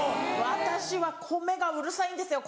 私は米がうるさいんですよ